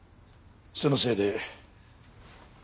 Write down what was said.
そのせいで。